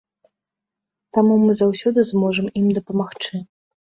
Таму мы заўсёды зможам ім дапамагчы.